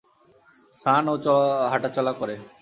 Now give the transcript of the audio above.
স্নান ও হাঁটাচলা করে।